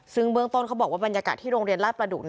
ซึ่งเบื้องต้นเขาบอกว่าบรรยากาศที่โรงเรียนลาดประดุก